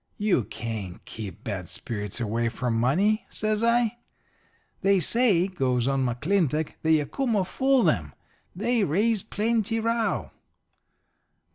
"'You can't keep bad spirits away from money,' says I. "'They say,' goes on McClintock, 'the Yacuma fool them. They raise plenty row.'